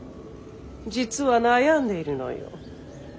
実は悩んでいるのよ。